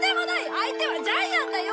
相手はジャイアンだよ！